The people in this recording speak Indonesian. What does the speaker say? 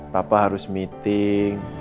papa harus meeting